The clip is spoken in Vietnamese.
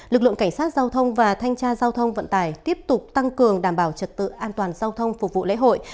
lực lượng cảnh sát giao thông và thanh tra giao thông vận tải tiếp tục tăng cường đảm bảo trật tự an toàn giao thông phục vụ lễ hội